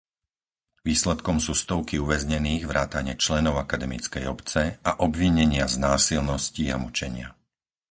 Výsledkom sú stovky uväznených, vrátane členov akademickej obce, a obvinenia z násilností a mučenia.